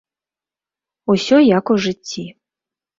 Усё, як у жыцці.